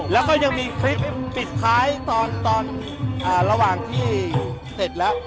แล้วก็ยังมีคลิปปิดท้ายตอนระหว่างที่เสร็จแล้ว